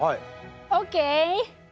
ＯＫ！